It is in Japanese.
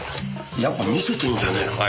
やっぱ見せてんじゃねえかよ。